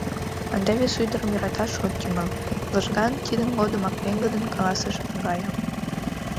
Ынде вес ӱдырым йӧраташ от тӱҥал, — лыжган, тидын годымак пеҥгыдын каласыш Галя.